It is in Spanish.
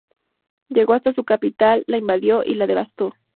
Llegó hasta su capital, la invadió y la devastó.